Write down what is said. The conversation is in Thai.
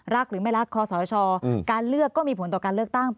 หรือไม่รักคอสชการเลือกก็มีผลต่อการเลือกตั้ง